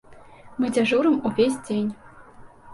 Мы дзяжурым увесь дзень.